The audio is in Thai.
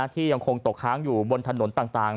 ที่ยังคงตกค้างอยู่บนถนนต่าง